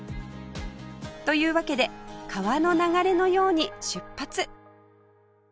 というわけで川の流れのように出発！